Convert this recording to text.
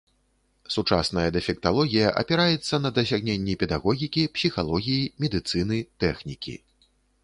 Сучасная дэфекталогія апіраецца на дасягненні педагогікі, псіхалогіі, медыцыны, тэхнікі.